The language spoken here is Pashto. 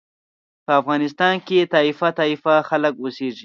په افغانستان کې طایفه طایفه خلک اوسېږي.